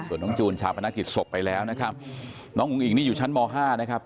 ส่วนน้องจูนชาปนกิจศพไปแล้วนะครับน้องอุ้งอิงนี่อยู่ชั้นม๕นะครับ